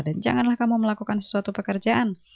dan janganlah kamu melakukan sesuatu pekerjaan